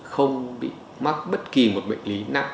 không bị mắc bất kỳ một bệnh lý nặng